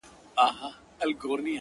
زما د ملګرو ډېر ښه ښه شعرونه ول